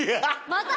また？